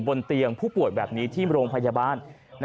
บนเตียงผู้ป่วยแบบนี้ที่โรงพยาบาล